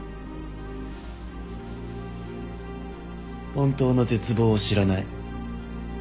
本当の絶望を知らない。